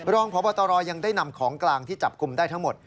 รองพบตรยังได้นำของกลางที่จับกลุ่มได้ทั้งหมด